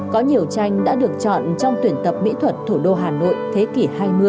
có nhiều tranh đã được chọn trong tuyển tập mỹ thuật thủ đô hà nội thế kỷ hai mươi